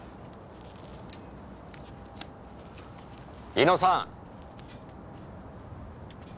猪野さん。